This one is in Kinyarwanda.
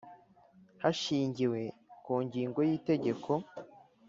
Hashingiwe ku ngingo y’Itegeko